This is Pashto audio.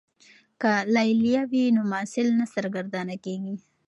که لیلیه وي نو محصل نه سرګردانه کیږي.